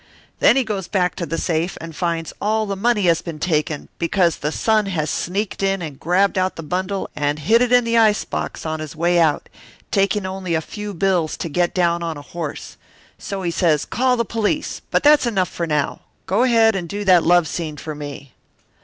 Then he goes back to the safe and finds all the money has been taken, because the son has sneaked in and grabbed out the bundle and hid it in the ice box on his way out, taking only a few bills to get down on a horse. So he says call the police but that's enough for now. Go ahead and do that love scene for me."